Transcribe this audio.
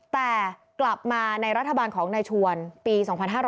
แต่กลับมาในรัฐบาลของนายชวนปี๒๕๕๙